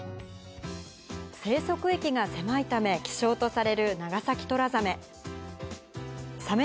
生息域が狭いため、希少とされるナガサキトラザメ。